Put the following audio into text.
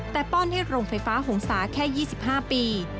แต่ป้อนให้โรงไฟฟ้าหงษาแค่๒๕ปี